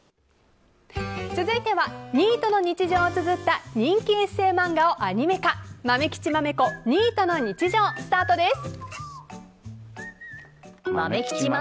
続いてはニートの日常をつづった人気エッセー漫画をアニメ化「まめきちまめこニートの日常」スタートです。